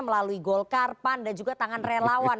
melalui golkar pandan juga tangan relawan